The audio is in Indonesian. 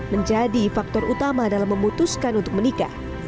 menjadi faktor utama dalam memutuskan untuk menikah